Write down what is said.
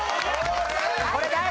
これ大事！